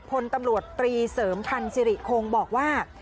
พลตำรวจตรีเสริมพันธ์สิริคงบอกว่า